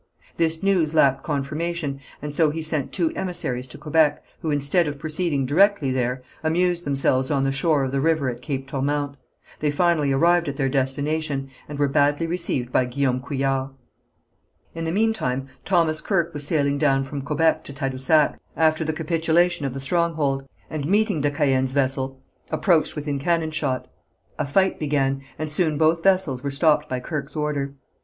This news lacked confirmation, and so he sent two emissaries to Quebec, who instead of proceeding directly there, amused themselves on the shore of the river at Cape Tourmente. They finally arrived at their destination, and were badly received by Guillaume Couillard. In the meantime Thomas Kirke was sailing down from Quebec to Tadousac, after the capitulation of the stronghold, and meeting de Caën's vessel approached within cannon shot. A fight began, and soon both vessels were stopped by Kirke's order.